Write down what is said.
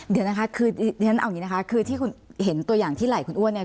เดี๋ยวนะคะคือฉันเอาอย่างนี้นะคะคือที่คุณเห็นตัวอย่างที่ไหล่คุณอ้วนเนี่ย